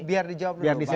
biar dijawab dulu pak